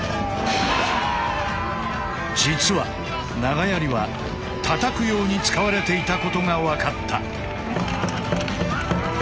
実は長槍はたたくように使われていたことが分かった。